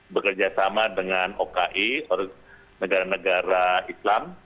bekerjasama dengan oki negara negara islam